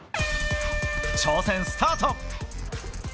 挑戦スタート。